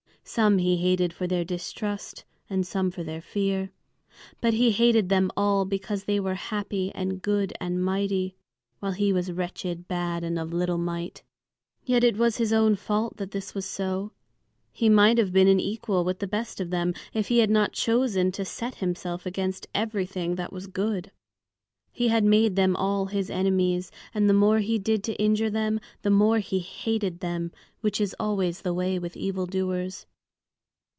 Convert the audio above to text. Some he hated for their distrust and some for their fear. But he hated them all because they were happy and good and mighty, while he was wretched, bad, and of little might. Yet it was all his own fault that this was so. He might have been an equal with the best of them, if he had not chosen to set himself against everything that was good. He had made them all his enemies, and the more he did to injure them, the more he hated them, which is always the way with evil doers.